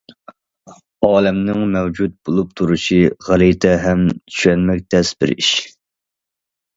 ئالەمنىڭ مەۋجۇت بولۇپ تۇرۇشى غەلىتە ھەم چۈشەنمەك تەس بىر ئىش.